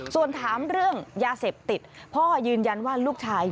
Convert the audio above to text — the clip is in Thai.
ส่วนถามเรื่องยาเสพติดพ่อยืนยันว่าลูกชาย